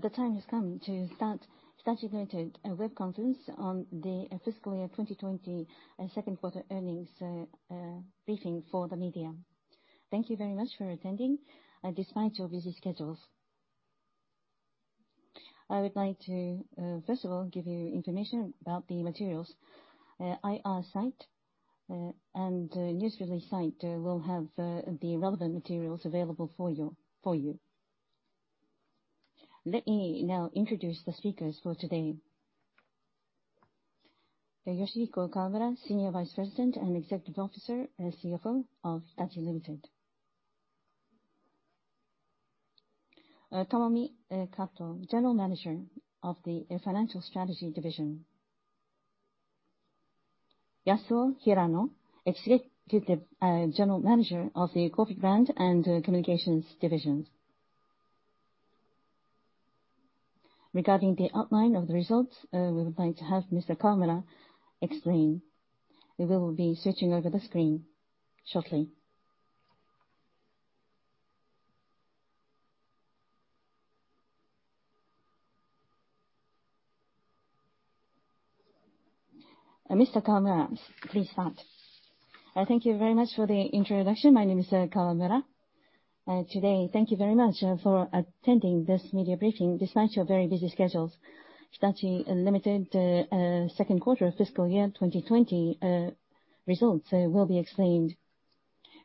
The time has come to start Hitachi, Ltd. web conference on the fiscal year 2020 Q2 earnings briefing for the media. Thank you very much for attending despite your busy schedules. I would like to, first of all, give you information about the materials. IR site and news release site will have the relevant materials available for you. Let me now introduce the speakers for today. Yoshihiko Kawamura, Senior Vice President and Executive Officer, and CFO of Hitachi, Ltd. Tomomi Kato, General Manager of the Financial Strategy Division, Hitachi, Ltd. Yasuo Hirano, Executive General Manager of the Corporate Brand and Communications Division, Hitachi, Ltd. Regarding the outline of the results, we would like to have Mr. Kawamura explain. We will be switching over the screen shortly. Mr. Kawamura, please start. Thank you very much for the introduction. My name is Kawamura. Today, thank you very much for attending this media briefing despite your very busy schedules. Hitachi, Ltd. second quarter FY 2020 results will be explained.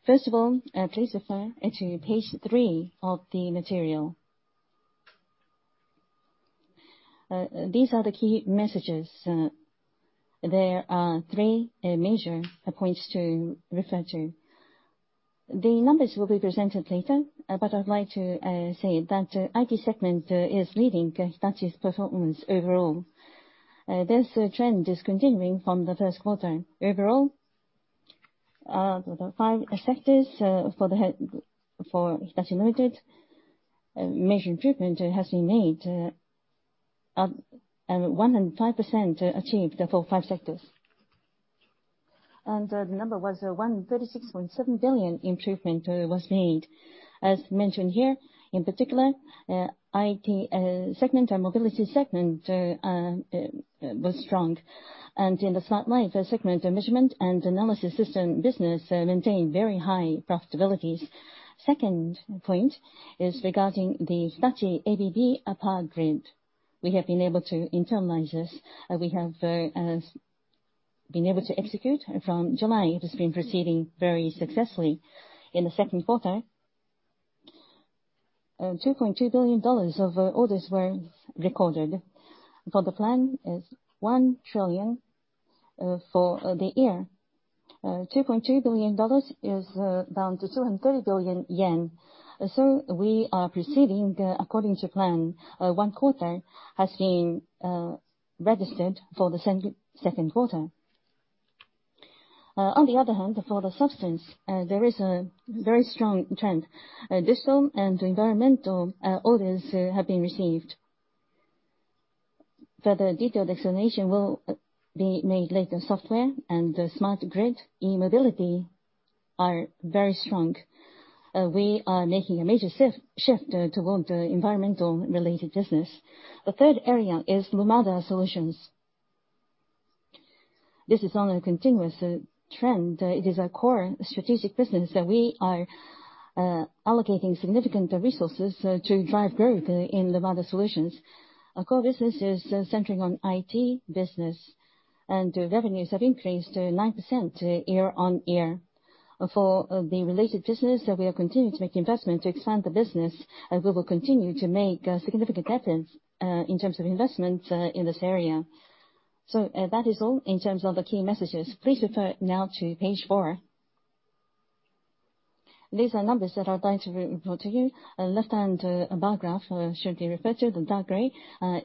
Please refer to page three of the material. These are the key messages. There are three major points to refer to. The numbers will be presented later. I'd like to say that IT segment is leading Hitachi's performance overall. This trend is continuing from the first quarter. The five sectors for Hitachi, Ltd., major improvement has been made, 105% achieved for five sectors. The number was 136.7 billion improvement was made. As mentioned here, in particular, IT segment and Mobility segment was strong. In the Smart Life segment, the measurement and analysis system business maintained very high profitabilities. Second point is regarding the Hitachi ABB Power Grids. We have been able to internalize this. We have been able to execute from July. It has been proceeding very successfully in the second quarter. $2.2 billion of orders were recorded. The plan is 1 trillion for the year. $2.2 billion is around 230 billion yen. We are proceeding according to plan. One quarter has been registered for Q2. For the substance, there is a very strong trend. Digital and environmental orders have been received. Further detailed explanation will be made later. Software and smart grid, e-mobility are very strong. We are making a major shift toward environmental related business. The third area is Lumada Solutions. This is on a continuous trend. It is our core strategic business that we are allocating significant resources to drive growth in Lumada Solutions. Our core business is centering on IT business, and revenues have increased 9% year-on-year. For the related business, we are continuing to make investment to expand the business, and we will continue to make significant efforts in terms of investment in this area. That is all in terms of the key messages. Please refer now to page four. These are numbers that I'd like to report to you. Left-hand bar graph should be referred to. The dark gray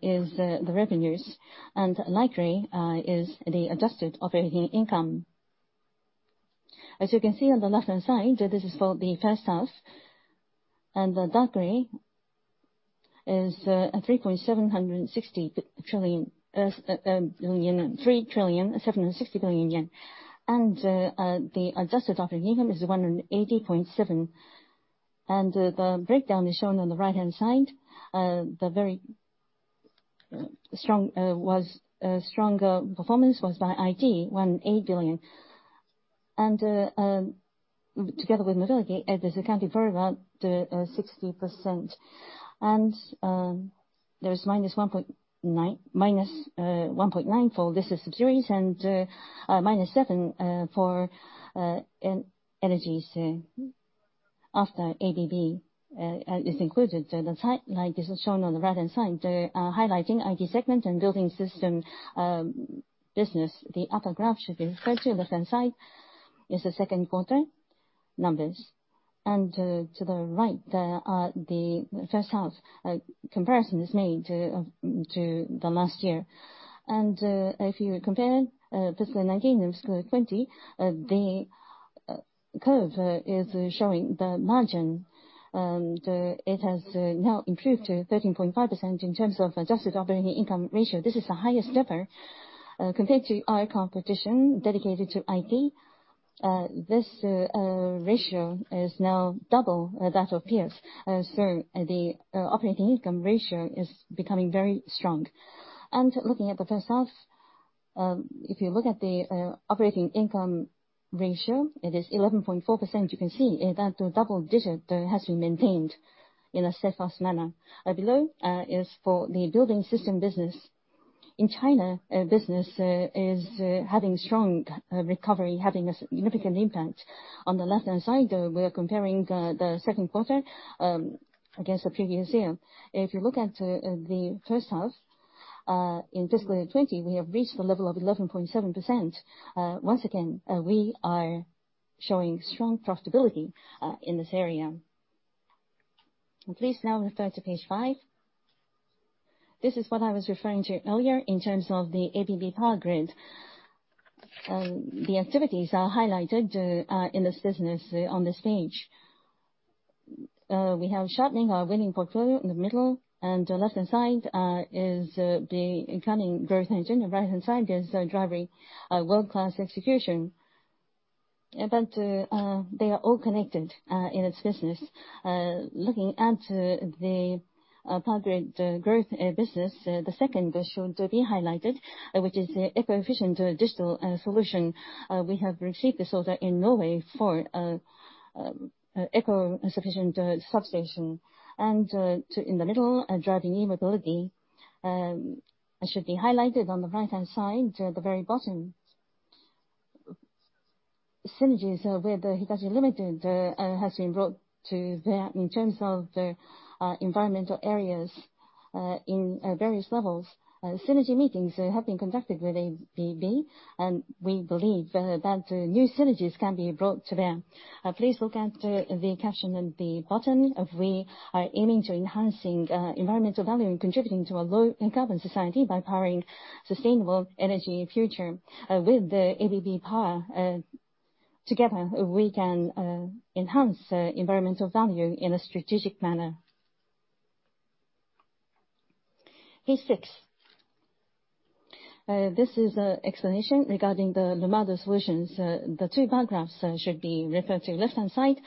is the revenues, and light gray is the adjusted operating income. As you can see on the left-hand side, this is for the first half. The dark gray is 3,760 billion yen. The adjusted operating income is 180.7 billion. The breakdown is shown on the right-hand side. The stronger performance was by IT, JPY 108 billion. Together with Mobility, it accounted for about 60%. There is -1.9 billion for business securities and -7 billion for energies after ABB is included. The light is shown on the right-hand side highlighting IT segment and Building Systems business. The other graph should be referred to. Left-hand side is the second quarter numbers. To the right are the first half comparison is made to the last year. If you compare FY 2019 and FY 2020, the curve is showing the margin, and it has now improved to 13.5% in terms of adjusted operating income ratio. This is the highest ever compared to our competition dedicated to IT. This ratio is now double that of peers. The operating income ratio is becoming very strong. Looking at the H1, if you look at the operating income ratio, it is 11.4%. You can see that the double digit has been maintained in a steadfast manner. Below is for the Building Systems business. In China, business is having strong recovery, having a significant impact. On the left-hand side, we are comparing Q2 against a few years here. If you look at the H1 in fiscal year 2020, we have reached the level of 11.7%. Once again, we are showing strong profitability in this area. Please now refer to page five. This is what I was referring to earlier in terms of the ABB Power Grids. The activities are highlighted in this business on this page. We have "sharpening our winning portfolio" in the middle, and the left-hand side is the incoming growth engine. The right-hand side is driving world-class execution. They are all connected in this business. Looking at the power grid growth business, the second should be highlighted, which is the eco-efficient digital solution. We have received this order in Norway for eco-efficient substation. In the middle, driving e-mobility should be highlighted on the right-hand side, the very bottom. Synergies with Hitachi, Ltd. has been brought to bear in terms of the environmental areas in various levels. Synergy meetings have been conducted with ABB, and we believe that new synergies can be brought to bear. Please look at the caption at the bottom. We are aiming to enhancing environmental value and contributing to a low carbon society by powering sustainable energy future. With the ABB Power Grids, together, we can enhance environmental value in a strategic manner. Page six. This is a explanation regarding the Lumada Solutions. The two bar graphs should be referred to. Left-hand side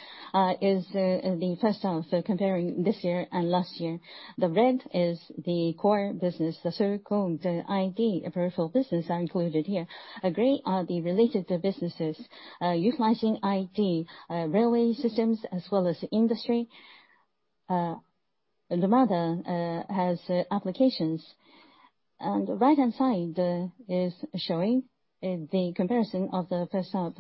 is the first half, so comparing this year and last year. The red is the core business, the so-called IT peripheral business are included here. Gray are the related businesses, utilizing IT, railway systems, as well as industry. Lumada has applications. Right-hand side is showing the comparison of the first half.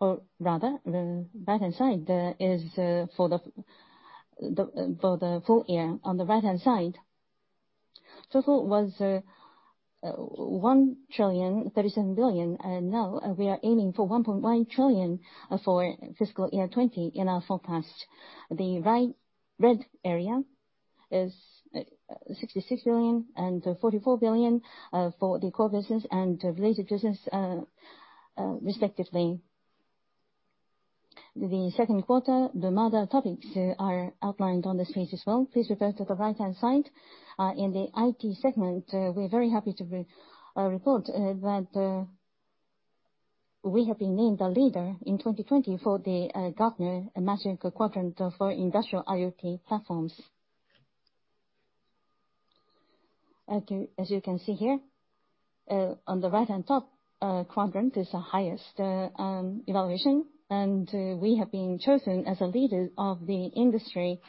Or rather, the right-hand side is for the full year. On the right-hand side, total was 1,037 billion, and now we are aiming for 1.1 trillion for FY 2020 in our forecast. The right red area is 66 billion and 44 billion for the core business and related business, respectively. The second quarter Lumada topics are outlined on this page as well. Please refer to the right-hand side. In the IT segment, we are very happy to report that we have been named the leader in 2020 for the Gartner Magic Quadrant for Industrial IoT Platforms. As you can see here, on the right-hand top quadrant is the highest evaluation, and we have been chosen as a leader of the industry.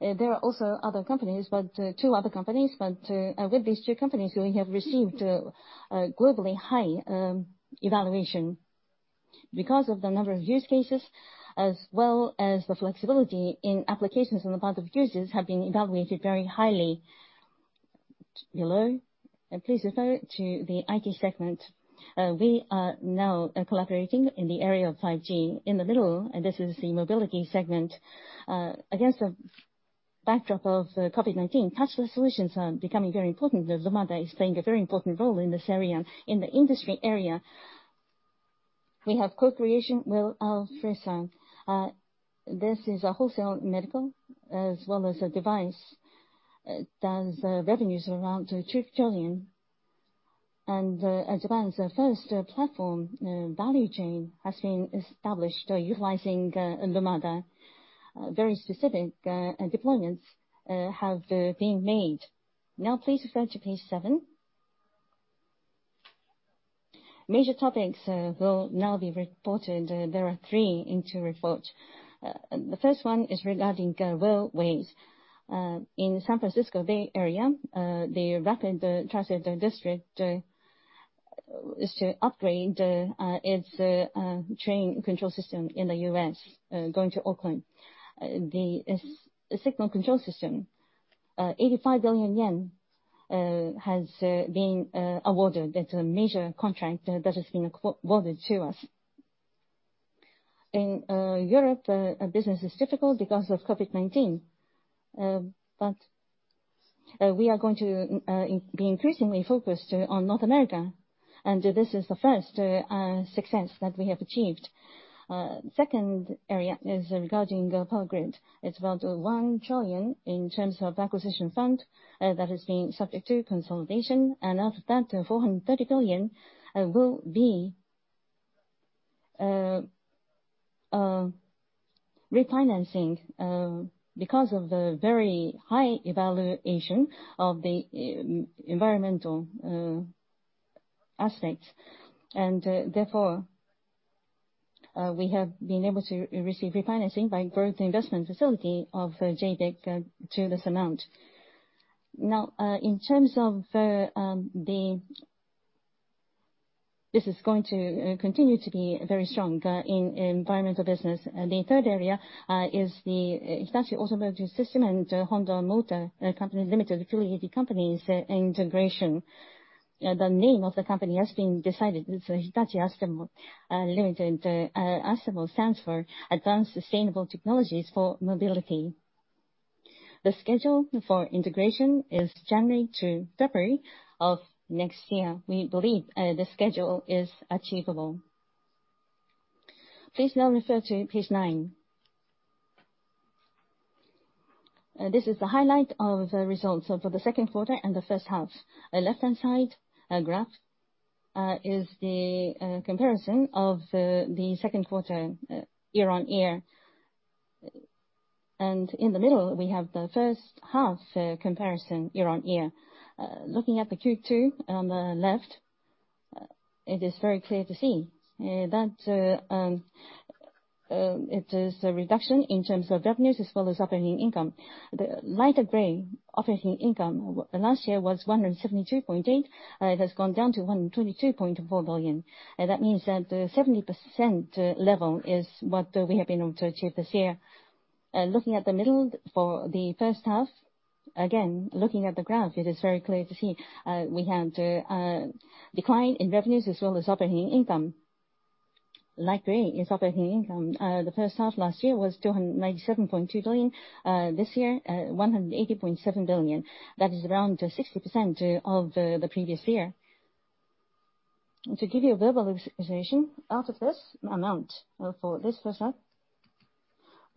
There are also other companies, but with these two companies, we have received a globally high evaluation because of the number of use cases, as well as the flexibility in applications on the part of users have been evaluated very highly. Below, please refer to the IT segment. We are now collaborating in the area of 5G. In the middle, this is the Mobility segment. Against the backdrop of COVID-19, touchless solutions are becoming very important. Lumada is playing a very important role in this area. In the industry area, we have co-creation with Alfresa. This is a wholesale medical as well as a device. It does revenues around 2 trillion. Japan's first platform value chain has been established utilizing Lumada. Very specific deployments have been made. Please refer to page seven. Major topics will now be reported. There are three into report. The first one is regarding railways. In San Francisco Bay Area, the Rapid Transit District is to upgrade its train control system in the U.S., going to Oakland. The signal control system, 85 billion yen has been awarded. That's a major contract that has been awarded to us. In Europe, business is difficult because of COVID-19. We are going to be increasingly focused on North America, and this is the first success that we have achieved. Second area is regarding the power grid. It's about 1 trillion in terms of acquisition fund that has been subject to consolidation. Of that, 430 billion will be refinancing because of the very high evaluation of the environmental aspects. Therefore, we have been able to receive refinancing by Growth Investment Facility of JBIC to this amount. This is going to continue to be very strong in environmental business. The third area is the Hitachi Automotive Systems and Honda Motor Co., Ltd., two EV companies integration. The name of the company has been decided. It's Hitachi Astemo, Ltd. ASTEMO stands for Advanced Sustainable Technologies for Mobility. The schedule for integration is January to February of next year. We believe the schedule is achievable. Please now refer to page nine. This is the highlight of the results for the second quarter and the first half. Left-hand side graph is the comparison of the second quarter year-on-year. In the middle, we have the H1 comparison year-on-year. Looking at the Q2 on the left, it is very clear to see that it is a reduction in terms of revenues as well as operating income. The lighter gray, operating income, last year was 172.8 billion. It has gone down to 122.4 billion. That means that 70% level is what we have been able to achieve this year. Looking at the middle for the first half, again, looking at the graph, it is very clear to see we had a decline in revenues as well as operating income. Light gray is operating income. The first half last year was 297.2 billion. This year, 180.7 billion. That is around 60% of the previous year. To give you a verbal explanation, out of this amount for this H1,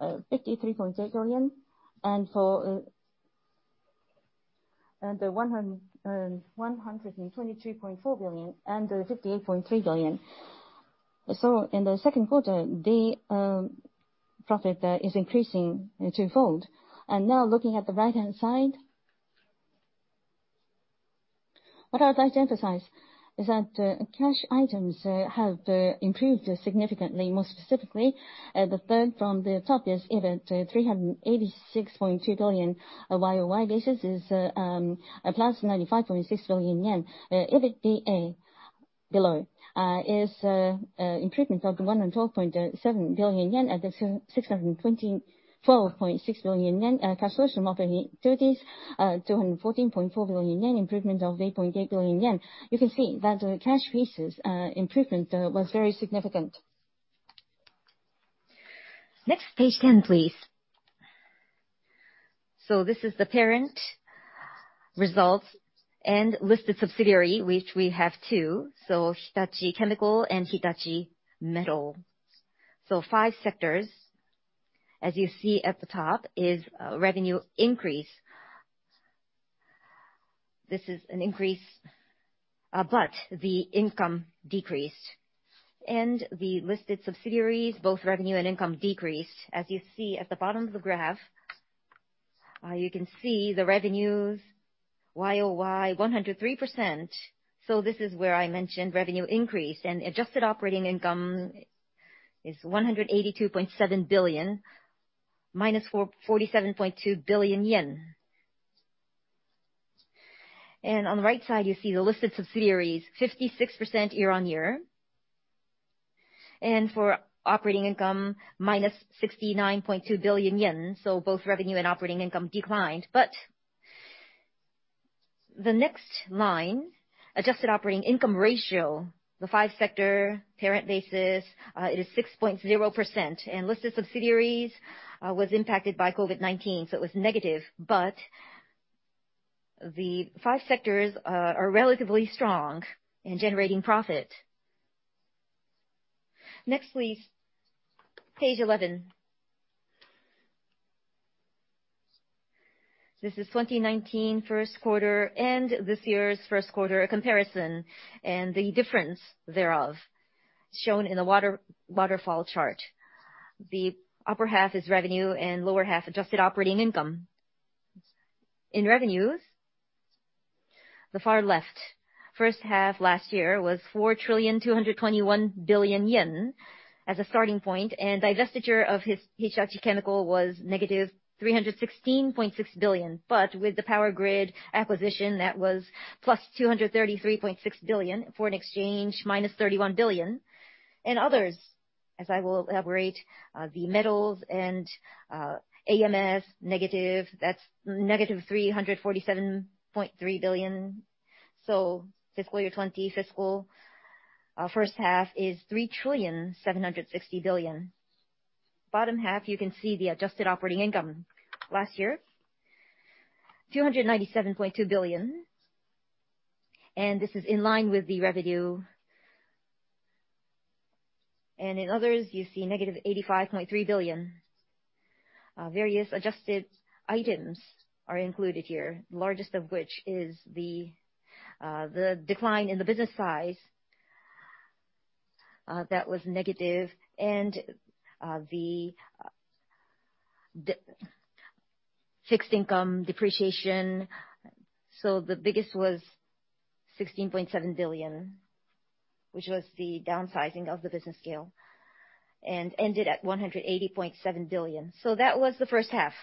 53.8 billion and the 123.4 billion and 58.3 billion. In the second quarter, the profit is increasing twofold. Now looking at the right-hand side, what I would like to emphasize is that cash items have improved significantly. More specifically, the third from the top is EBIT, 386.2 billion, a year-over-year basis is a plus 95.6 billion yen. EBITDA below is improvement of 112.7 billion yen at 624.6 billion yen. Cash flow from operating activities, 214.4 billion yen, improvement of 8.8 billion yen. You can see that the cash basis improvement was very significant. Next, page 10, please. This is the parent results and listed subsidiary, which we have two, so Hitachi Chemical and Hitachi Metals. Five sectors, as you see at the top, is revenue increase. This is an increase, but the income decreased. The listed subsidiaries, both revenue and income decreased. As you see at the bottom of the graph, you can see the revenues year-over-year 103%. This is where I mentioned revenue increase and adjusted operating income is 182.7 billion minus 47.2 billion yen. On the right side, you see the listed subsidiaries, 56% year-on-year. For operating income, minus 69.2 billion yen, so both revenue and operating income declined. The next line, adjusted operating income ratio, the five-sector parent basis, it is 6.0%. Listed subsidiaries was impacted by COVID-19, so it was negative, but the five sectors are relatively strong in generating profit. Next, please. Page 11. This is 2019 first quarter and this year's Q1 comparison, the difference thereof shown in the waterfall chart. The upper half is revenue and lower half adjusted operating income. In revenues, the far left H1 last year was 4,221 billion yen as a starting point, and divestiture of Hitachi Chemical was negative 316.6 billion. With the power grid acquisition, that was plus 233.6 billion. Foreign exchange, minus 31 billion. In others, as I will elaborate, the Hitachi Metals and AMS negative, that's negative 347.3 billion. Fiscal year 2020 fiscal H1 is 3,760 billion. Bottom half, you can see the adjusted operating income. Last year, 297.2 billion. This is in line with the revenue. In others, you see -85.3 billion. Various adjusted items are included here, largest of which is the decline in the business size that was negative and the fixed income depreciation. The biggest was 16.7 billion, which was the downsizing of the business scale, and ended at 180.7 billion. That was the first half.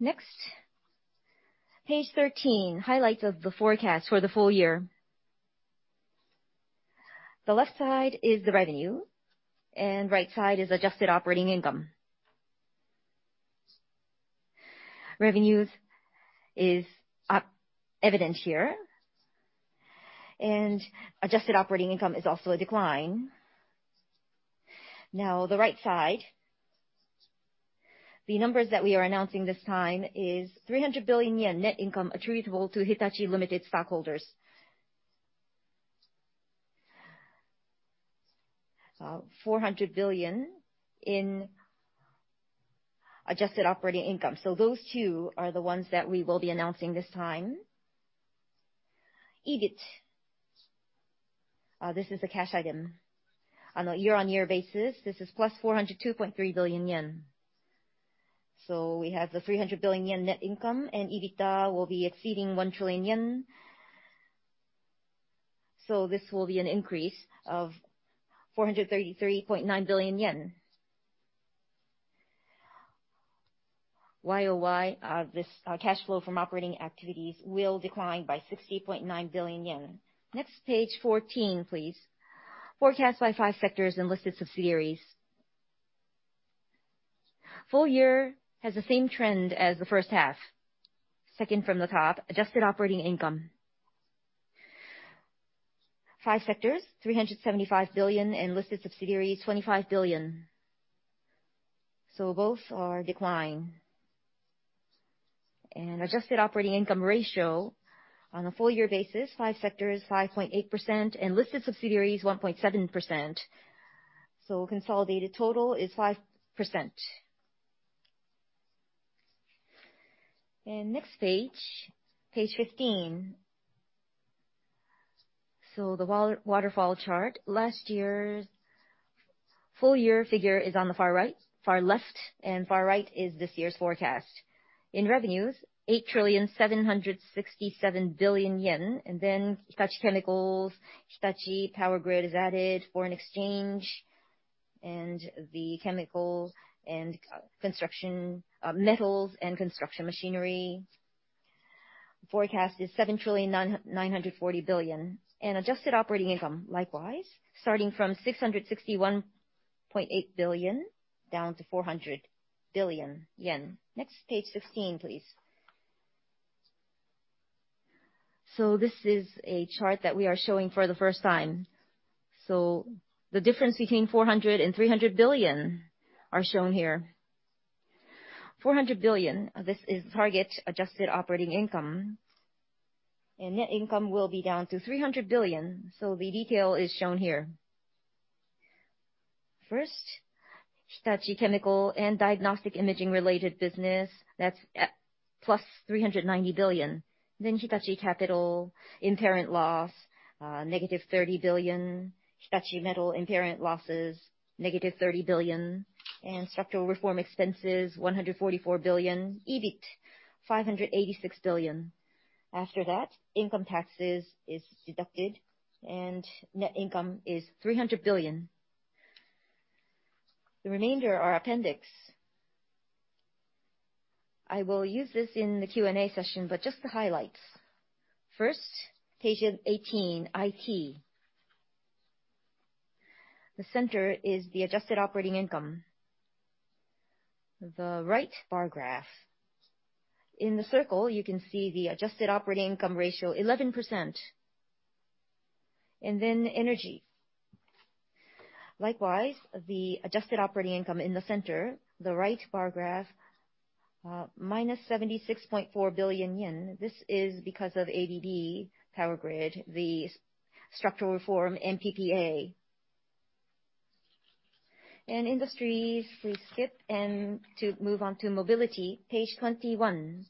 Next, page 13, highlights of the forecast for the full year. The left side is the revenue and right side is adjusted operating income. Revenues is evident here, and adjusted operating income is also a decline. The right side, the numbers that we are announcing this time is 300 billion yen net income attributable to Hitachi, Ltd. stockholders. JPY 400 billion in adjusted operating income. Those two are the ones that we will be announcing this time. EBIT, this is a cash item. On a year-over-year basis, this is +402.3 billion yen. We have the 300 billion yen net income, EBITDA will be exceeding 1 trillion yen, this will be an increase of 433.9 billion yen. YoY, this cash flow from operating activities will decline by 60.9 billion yen. Next page 14, please. Forecast by five sectors and listed subsidiaries. Full year has the same trend as the first half. Second from the top, adjusted operating income. Five sectors, 375 billion, listed subsidiaries, 25 billion, both are decline. Adjusted operating income ratio on a full year basis, five sectors, 5.8%, listed subsidiaries, 1.7%, consolidated total is 5%. Next page 15. The waterfall chart, last year's full year figure is on the far left and far right is this year's forecast. In revenues, 8,767 billion yen. Hitachi Chemical, Hitachi ABB Power Grids is added, foreign exchange, the chemicals, Construction, Hitachi Metals, Construction Machinery. Forecast is 7 trillion, 940 billion. Adjusted operating income, likewise, starting from 661.8 billion down to 400 billion yen. Next, page 16, please. This is a chart that we are showing for the first time. The difference between 400 billion and 300 billion are shown here. 400 billion, this is target adjusted operating income, net income will be down to 300 billion, the detail is shown here. First, Hitachi Chemical and diagnostic imaging-related business, that's plus 390 billion. Hitachi Capital in parent loss, negative 30 billion. Hitachi Metals in parent losses, negative 30 billion. Structural reform expenses, 144 billion. EBIT, 586 billion. After that, income taxes is deducted, net income is 300 billion. The remainder are appendix. I will use this in the Q&A session, but just the highlights. First, page 18, IT. The center is the adjusted operating income. The right bar graph. In the circle, you can see the adjusted operating income ratio, 11%. Energy. Likewise, the adjusted operating income in the center, the right bar graph, minus 76.4 billion yen. This is because of ABB Power Grids, the structural reform PPA. Industries we skip and to move on to Mobility, page 21.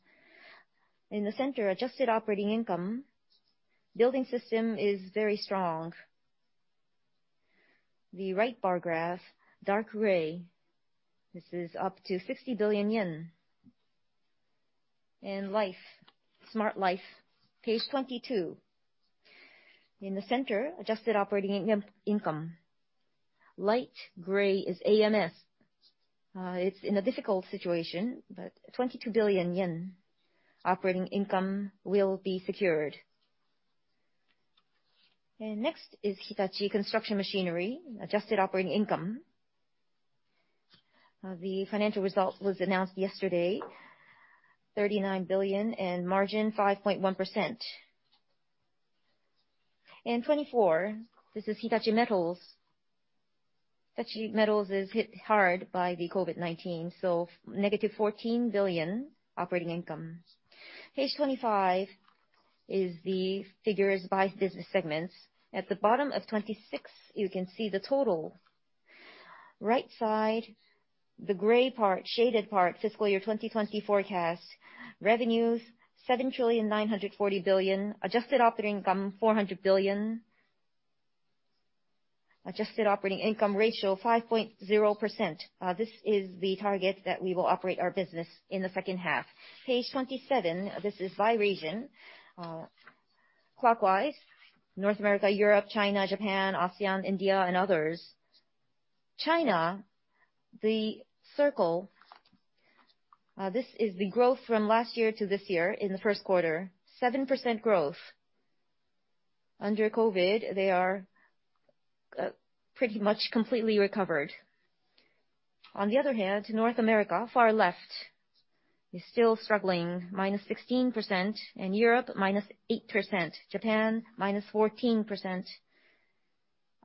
In the center, adjusted operating income. Building System is very strong. The right bar graph, dark gray, this is up to 60 billion yen. In Life, Smart Life, page 22. In the center, adjusted operating income. Light gray is ASTEMO. It's in a difficult situation, but 22 billion yen operating income will be secured. Next is Hitachi Construction Machinery, adjusted operating income. The financial result was announced yesterday, 39 billion, margin 5.1%. Page 24, this is Hitachi Metals. Hitachi Metals is hit hard by the COVID, negative 14 billion operating income. Page 25 is the figures by business segments. At the bottom of 26, you can see the total. Right side, the gray part, shaded part, fiscal year 2020 forecast, revenues 7 trillion 940 billion. Adjusted operating income, 400 billion. Adjusted operating income ratio 5.0%. This is the target that we will operate our business in the second half. Page 27, this is by region. Clockwise: North America, Europe, China, Japan, ASEAN, India, and others. China, the circle, this is the growth from last year to this year in the first quarter, 7% growth. Under COVID, they are pretty much completely recovered. On the other hand, North America, far left, is still struggling, minus 16%, Europe, minus 8%. Japan, -14%.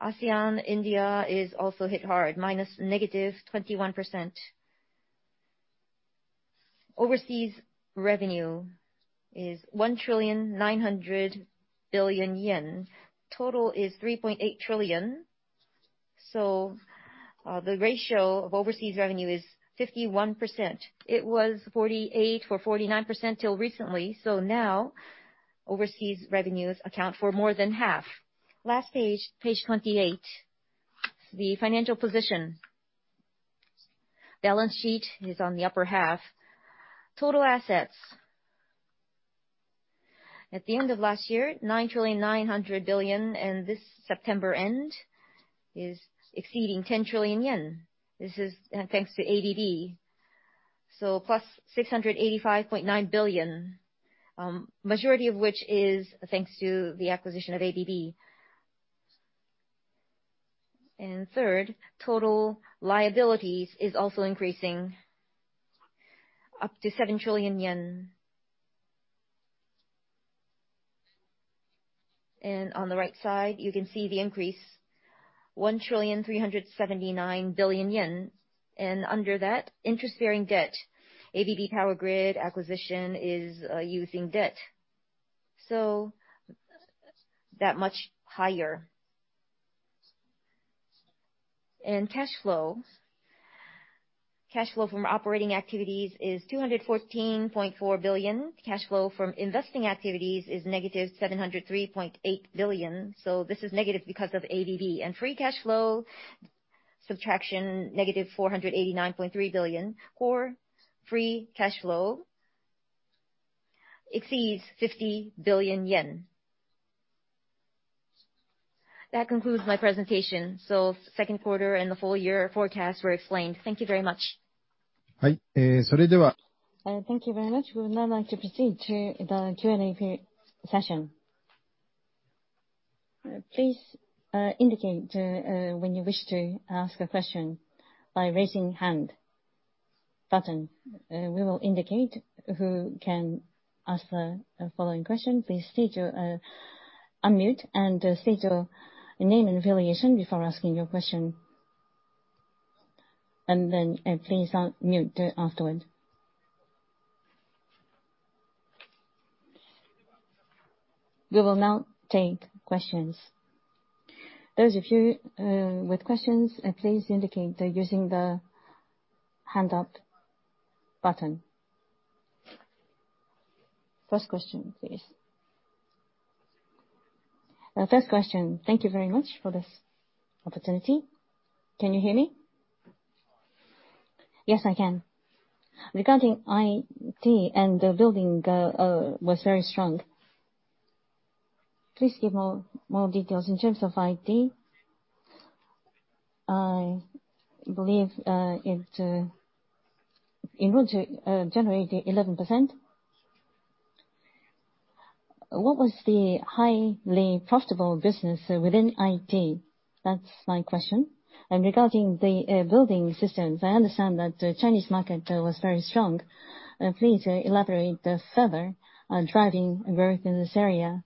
ASEAN, India is also hit hard, -21%. Overseas revenue is 1,900 billion yen. Total is 3.8 trillion. The ratio of overseas revenue is 51%. It was 48% or 49% till recently. Now overseas revenues account for more than half. Last page 28, the financial position. Balance sheet is on the upper half. Total assets at the end of last year, 9,900 billion, and this September end is exceeding 10 trillion yen. This is thanks to ABB. Plus 685.9 billion, majority of which is thanks to the acquisition of ABB. Third, total liabilities is also increasing up to JPY 7 trillion. On the right side, you can see the increase, 1,379 billion yen. Under that, interest-bearing debt. ABB Power Grids acquisition is using debt. That much higher. In cash flow, cash flow from operating activities is 214.4 billion. Cash flow from investing activities is negative 703.8 billion. This is negative because of ABB. Free cash flow subtraction negative 489.3 billion. Core free cash flow exceeds 50 billion yen. That concludes my presentation. Second quarter and the full-year forecast were explained. Thank you very much. Thank you very much. We would now like to proceed to the Q&A session. Please indicate when you wish to ask a question by raising hand button. We will indicate who can ask the following question. Please unmute and state your name and affiliation before asking your question. Please mute afterward. We will now take questions. Those of you with questions, please indicate using the hand up button. First question, please. First question. Thank you very much for this opportunity. Can you hear me? Yes, I can. Regarding IT and the building was very strong. Please give more details in terms of IT. I believe it generated 11%. What was the highly profitable business within IT? That's my question. Regarding the building systems, I understand that the Chinese market was very strong. Please elaborate further on driving growth in this area.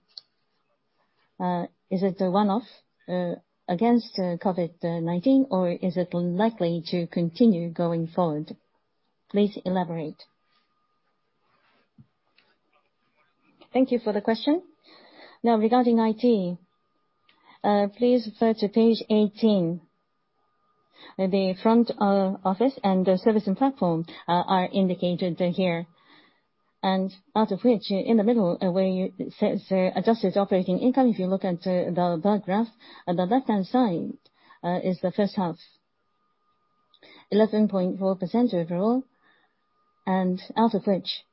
Is it a one-off against COVID-19 or is it likely to continue going forward? Please elaborate. Thank you for the question. Regarding IT, please refer to page 18. The front office and the service and platform are indicated here. Out of which, in the middle where it says adjusted operating income, if you look at the bar graph, the left-hand side is the first half, 11.4% overall. Out of which,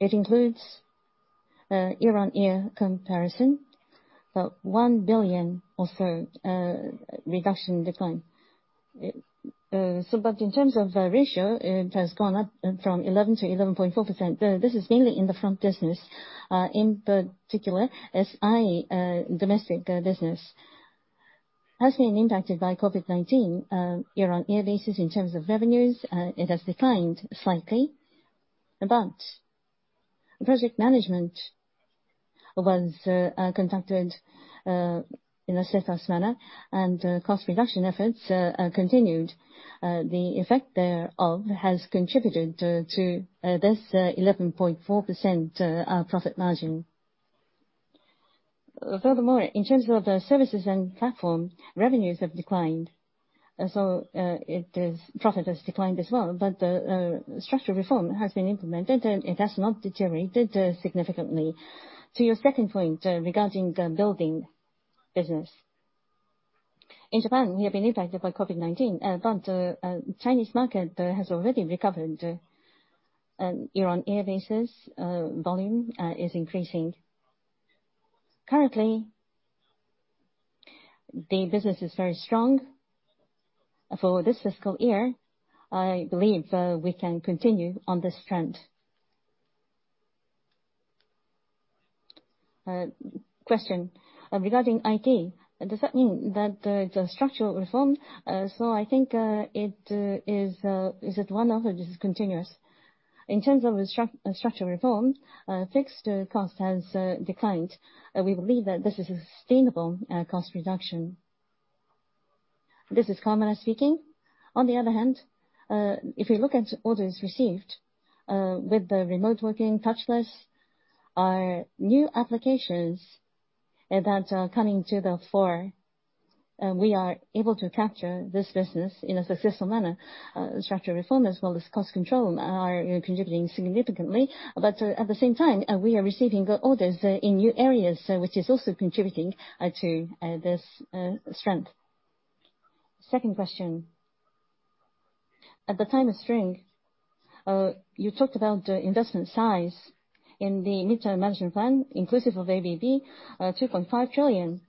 it includes a year-on-year comparison, 1 billion or so reduction decline. In terms of ratio, it has gone up from 11% to 11.4%. This is mainly in the front business, in particular SI domestic business. Has been impacted by COVID-19 year-on-year basis in terms of revenues. It has declined slightly. Project management was conducted in a steadfast manner and cost reduction efforts are continued. The effect thereof has contributed to this 11.4% profit margin. Furthermore, in terms of the services and platform, revenues have declined. Profit has declined as well, but the structural reform has been implemented, and it has not deteriorated significantly. To your second point, regarding the building business. In Japan, we have been impacted by COVID-19, but the Chinese market has already recovered. Year-on-year basis, volume is increasing. Currently, the business is very strong. For this fiscal year, I believe we can continue on this trend. Question. Regarding IT, does that mean that the structural reform is it one-off or this is continuous? In terms of structural reform, fixed cost has declined. We believe that this is a sustainable cost reduction. This is Kawamura speaking. If you look at orders received, with the remote working touchless, our new applications that are coming to the fore, we are able to capture this business in a successful manner. Structural reform as well as cost control are contributing significantly. We are receiving orders in new areas, which is also contributing to this strength. Second question. At the time of spring, you talked about the investment size in the midterm management plan, inclusive of ABB, 2.5 trillion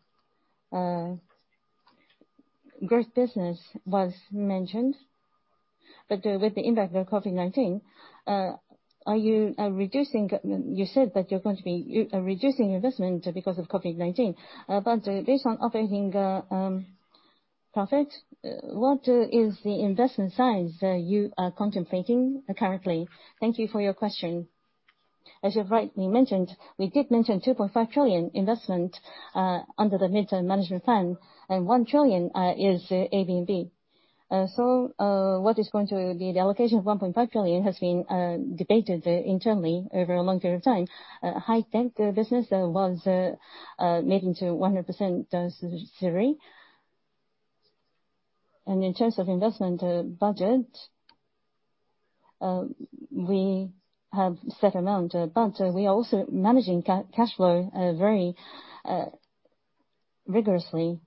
growth business was mentioned. With the impact of COVID-19, you said that you're going to be reducing investment because of COVID-19. Based on operating profit, what is the investment size that you are contemplating currently? Thank you for your question. As you rightly mentioned, we did mention 2.5 trillion investment under the midterm management plan, and 1 trillion is ABB. What is going to be the allocation of 1.5 trillion has been debated internally over a long period of time. High tech business was made into 100% necessary. In terms of investment budget, we have set amount, we are also managing cash flow very rigorously.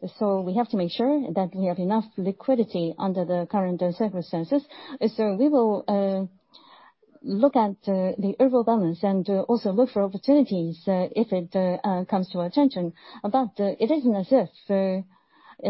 We have to make sure that we have enough liquidity under the current circumstances. We will look at the overall balance and also look for opportunities, if it comes to our attention. It isn't as if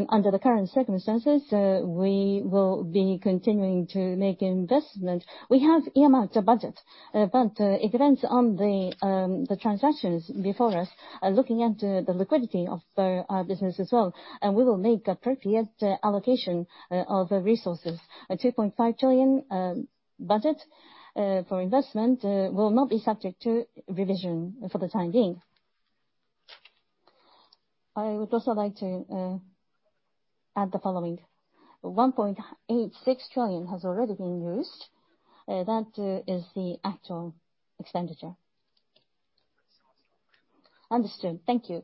under the current circumstances, we will be continuing to make investment. We have EIMR budget. It depends on the transactions before us, looking at the liquidity of our business as well. We will make appropriate allocation of resources. A 2.5 trillion budget for investment will not be subject to revision for the time being. I would also like to add the following. 1.86 trillion has already been used. That is the actual expenditure. Understood. Thank you.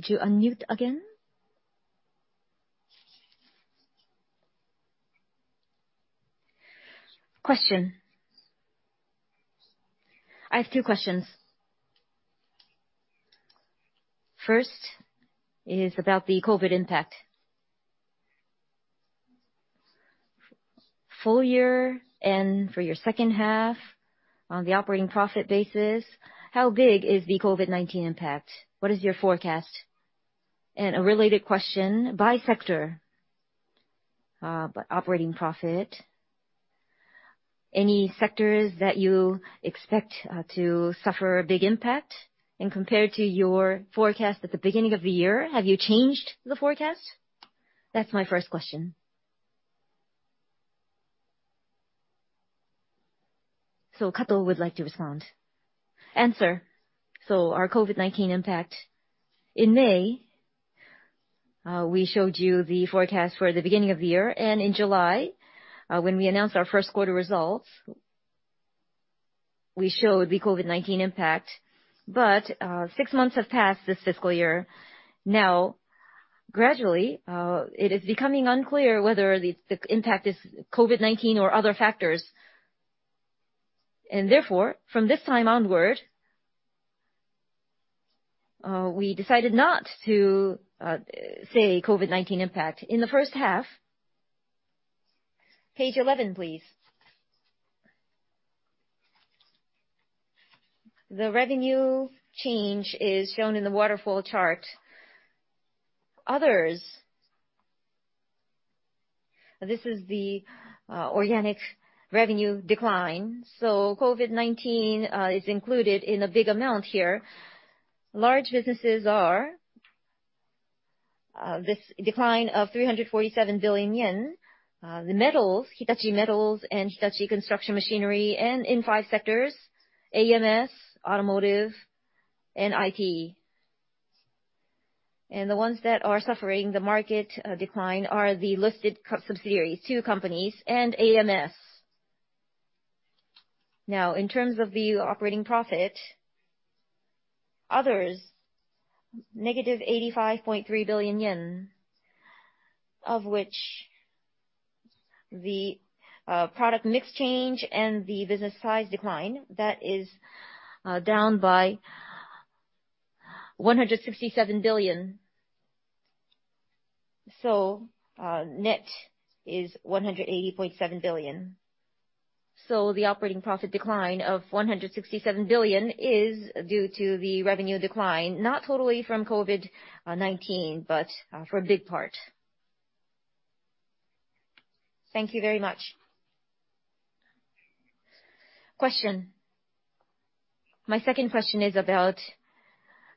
Hi. Could you unmute again? Question. I have two questions. First is about the COVID impact. Full year and for your second half on the operating profit basis, how big is the COVID-19 impact? What is your forecast? A related question, by sector, by operating profit, any sectors that you expect to suffer a big impact? Compared to your forecast at the beginning of the year, have you changed the forecast? That's my first question. Kato would like to respond. Answer. Our COVID-19 impact. In May, we showed you the forecast for the beginning of the year, and in July, when we announced our first quarter results, we showed the COVID-19 impact. Six months have passed this fiscal year. Now, gradually, it is becoming unclear whether the impact is COVID-19 or other factors, and therefore, from this time onward We decided not to say COVID-19 impact in the first half. Page 11, please. The revenue change is shown in the waterfall chart. Others, this is the organic revenue decline. COVID-19 is included in a big amount here. Large businesses are this decline of 347 billion yen. The metals, Hitachi Metals and Hitachi Construction Machinery, in five sectors, AMS, automotive, and IT. The ones that are suffering the market decline are the listed subsidiaries, two companies, and AMS. In terms of the operating profit, others, negative 85.3 billion yen, of which the product mix change and the business size decline, that is down by 167 billion. Net is 180.7 billion. The operating profit decline of 167 billion is due to the revenue decline, not totally from COVID-19, but for a big part. Thank you very much. Question. My second question is about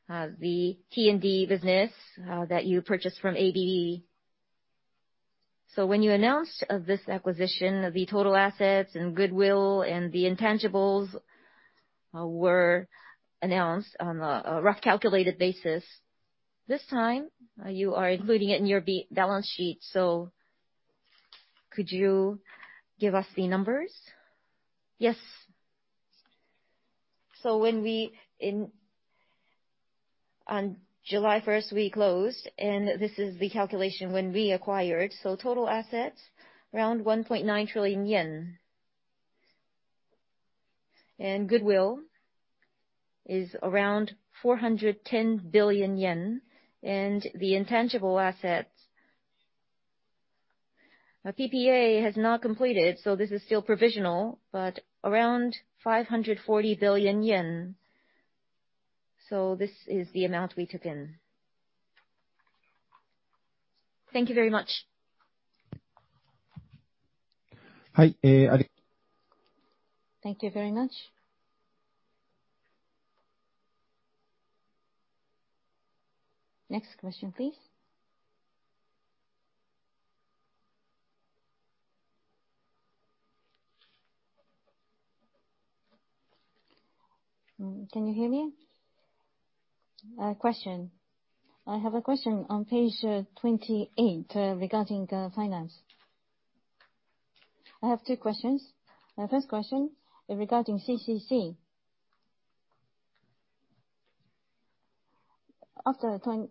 the T&D business that you purchased from ABB. When you announced this acquisition, the total assets and goodwill and the intangibles were announced on a rough calculated basis. This time, you are including it in your balance sheet, so could you give us the numbers? Yes. On July 1st, we closed, and this is the calculation when we acquired. Total assets, around 1.9 trillion yen. Goodwill is around 410 billion yen. The intangible assets, PPA has not completed, so this is still provisional, but around 540 billion yen. This is the amount we took in. Thank you very much. Hi. Thank you very much. Next question, please. Can you hear me? Question. I have a question on page 28 regarding finance. I have two questions. My first question regarding CCC. It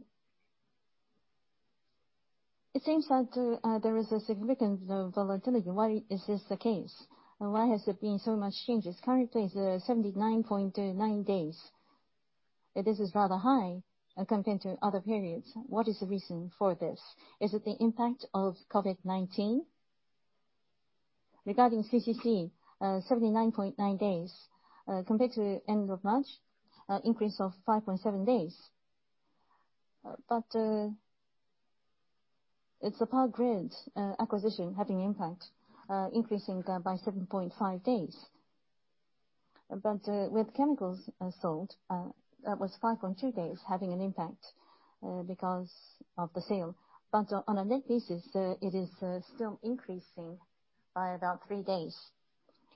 seems that there is a significant volatility. Why is this the case? Why has there been so much changes? Currently, it's 79.9 days. This is rather high compared to other periods. What is the reason for this? Is it the impact of COVID-19? Regarding CCC, 79.9 days. Compared to end of March, increase of 5.7 days. It's the Power Grids acquisition having impact, increasing by 7.5 days. With Chemicals sold, that was 5.2 days having an impact because of the sale. On a net basis, it is still increasing by about three days.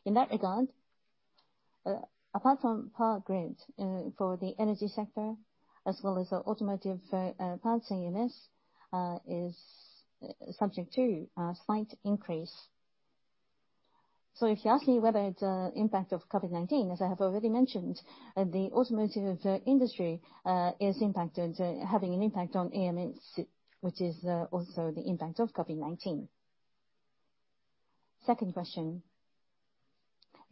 In that regard, apart from Power Grids for the energy sector, as well as the automotive parts ASTEMO is subject to a slight increase. If you ask me whether it's impact of COVID-19, as I have already mentioned, the automotive industry is having an impact on AMS, which is also the impact of COVID-19. Second question.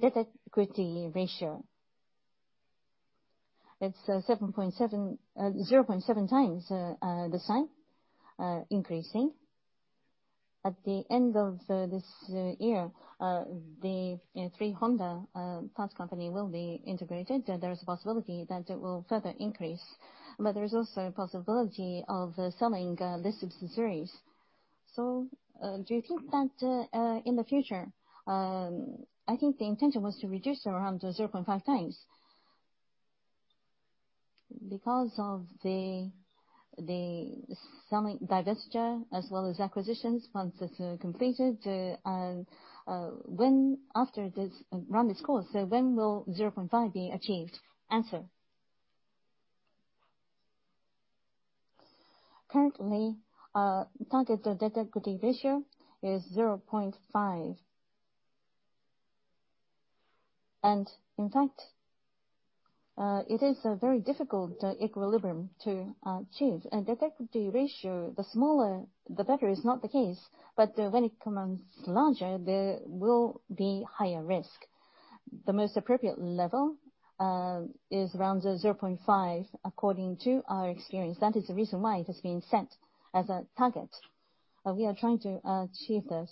Debt/equity ratio. It's 0.7 times this time, increasing. At the end of this year, the three Honda parts company will be integrated. There is a possibility that it will further increase. There is also a possibility of selling these subsidiaries. Do you think that in the future, I think the intention was to reduce around 0.5 times. Because of the divestiture as well as acquisitions once it's completed, after this run its course, when will 0.5 be achieved? Answer. Currently, target debt/equity ratio is 0.5. In fact, it is a very difficult equilibrium to achieve. Debt/equity ratio, the smaller, the better is not the case. When it becomes larger, there will be higher risk. The most appropriate level is around 0.5 according to our experience. That is the reason why it has been set as a target. We are trying to achieve this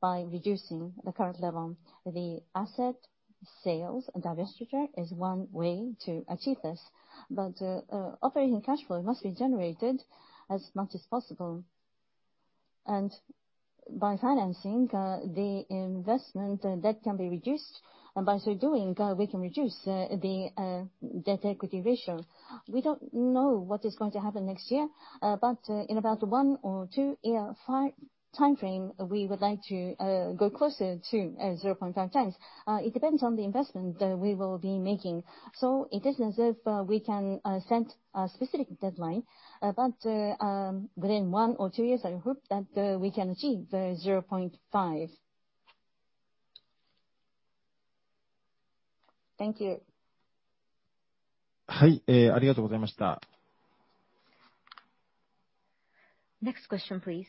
by reducing the current level. The asset sales divestiture is one way to achieve this, but operating cash flow must be generated as much as possible. By financing the investment, debt can be reduced, and by so doing, we can reduce the debt equity ratio. We don't know what is going to happen next year, but in about one or two year time frame, we would like to go closer to 0.5 times. It depends on the investment that we will be making, so it isn't as if we can set a specific deadline. Within one or two years, I hope that we can achieve the 0.5. Thank you. Hi. Next question, please.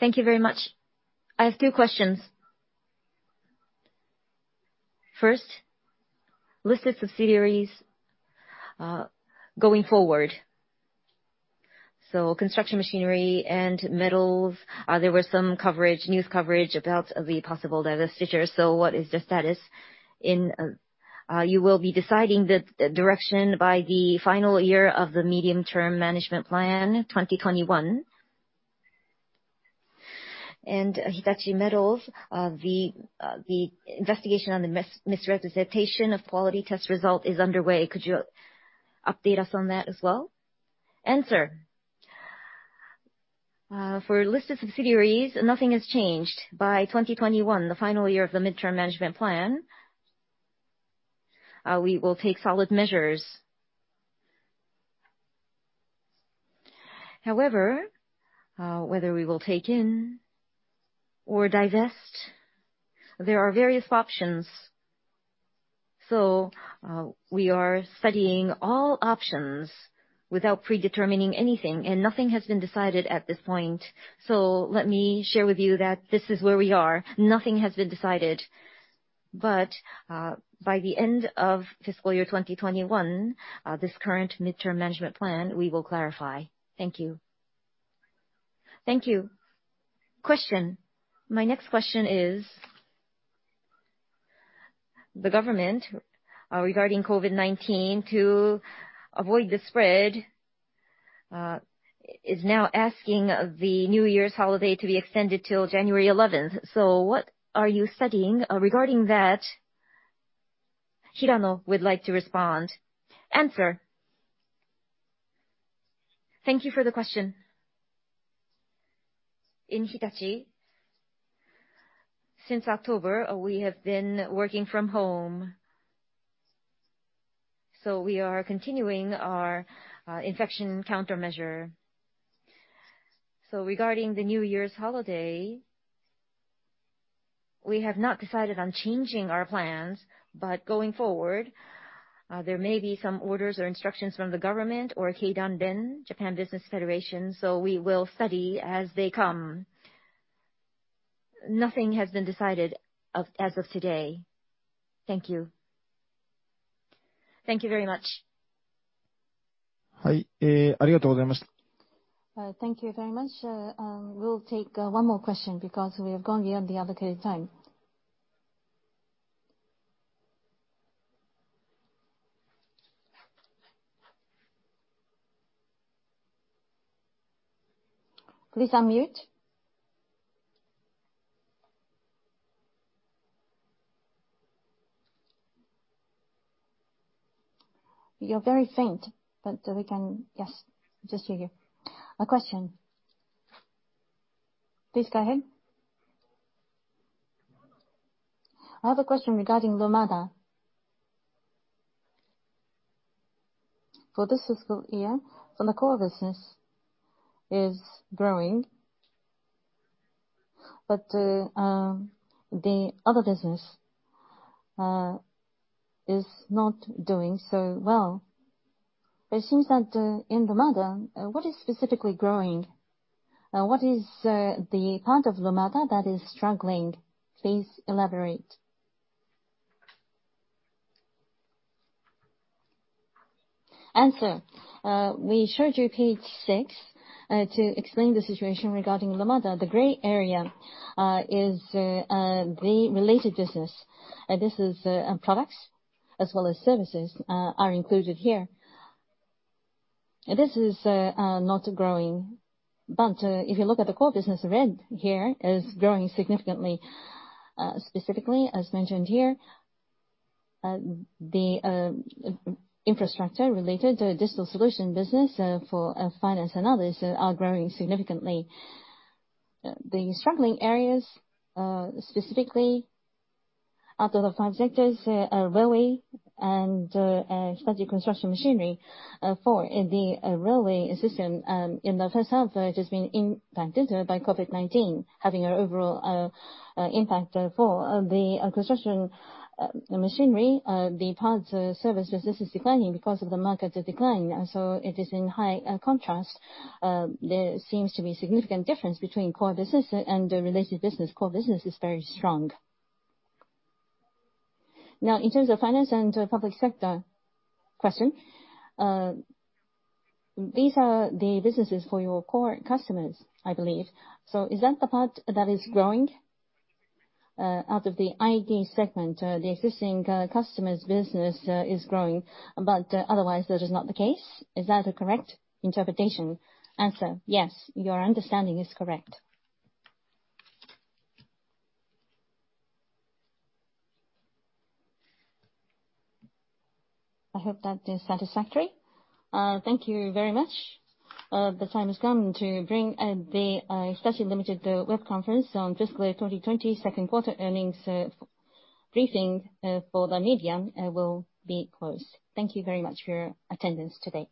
Thank you very much. I have two questions. Listed subsidiaries, going forward. Construction machinery and metals, there were some news coverage about the possible divestiture. What is the status? You will be deciding the direction by the final year of the medium-term management plan 2021. Hitachi Metals, the investigation on the misrepresentation of quality test result is underway. Could you update us on that as well? Answer. For listed subsidiaries, nothing has changed. By 2021, the final year of the Midterm Management Plan, we will take solid measures. Whether we will take in or divest, there are various options. We are studying all options without predetermining anything, and nothing has been decided at this point. Let me share with you that this is where we are. Nothing has been decided. By the end of fiscal year 2021, this current Midterm Management Plan, we will clarify. Thank you. Thank you. Question. My next question is, the government, regarding COVID-19, to avoid the spread, is now asking the New Year's holiday to be extended till January 11th. What are you studying regarding that? Hirano would like to respond. Answer. Thank you for the question. In Hitachi, since October, we have been working from home, so we are continuing our infection countermeasure. Regarding the New Year's holiday, we have not decided on changing our plans. Going forward, there may be some orders or instructions from the government or Keidanren, Japan Business Federation, so we will study as they come. Nothing has been decided as of today. Thank you. Thank you very much. Hi. Thank you very much. We'll take one more question because we have gone beyond the allocated time. Please unmute. You're very faint, but we can Yes, I just hear you. A question. Please go ahead. I have a question regarding Lumada. For this fiscal year, the core business is growing, but the other business is not doing so well. It seems that in Lumada, what is specifically growing? What is the part of Lumada that is struggling? Please elaborate. Answer. We showed you page six to explain the situation regarding Lumada. The gray area is the related business. This is products as well as services are included here. This is not growing. If you look at the core business, red here, is growing significantly. Specifically, as mentioned here, the infrastructure related digital solution business for finance and others are growing significantly. The struggling areas, specifically out of the five sectors are Railway and Hitachi Construction Machinery. For the railway system, in the first half, it has been impacted by COVID-19, having an overall impact. For the construction machinery, the parts service business is declining because of the market decline. It is in high contrast. There seems to be significant difference between core business and the related business. Core business is very strong. Now, in terms of finance and public sector. Question. These are the businesses for your core customers, I believe. Is that the part that is growing? Out of the IT segment, the existing customers business is growing, otherwise that is not the case. Is that a correct interpretation? Answer. Yes. Your understanding is correct. I hope that is satisfactory. Thank you very much. The time has come to bring the Hitachi, Ltd. web conference on fiscal year 2020 Q2 earnings briefing for the media will be closed. Thank you very much for your attendance today.